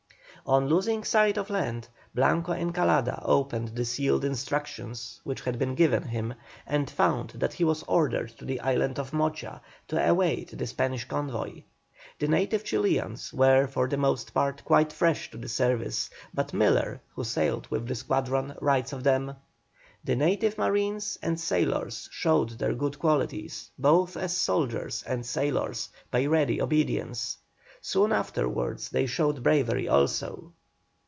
On losing sight of land, Blanco Encalada opened the sealed instructions which had been given him, and found that he was ordered to the island of Mocha to await the Spanish convoy. The native Chilians were for the most part quite fresh to the service, but Miller, who sailed with the squadron, writes of them: "The native marines and sailors showed their good qualities, both as soldiers and sailors, by ready obedience; soon afterwards they showed bravery also."